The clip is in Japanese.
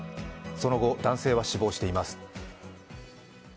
その後、男性は死亡しています。